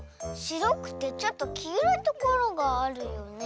しろくてちょっときいろいところがあるよね。